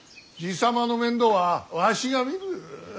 爺様の面倒はわしが見る。